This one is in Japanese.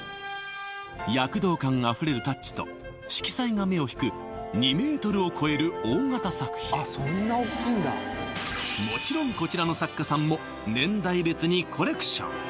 躍動感あふれるタッチと色彩が目を引く２ｍを超える大型作品もちろんこちらの作家さんも年代別にコレクション